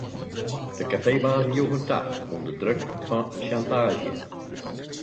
De kafeebazen joegen ta ûnder druk fan sjantaazje.